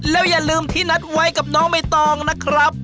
แล้วอย่าลืมที่นัดไว้กับน้องใบตองนะครับ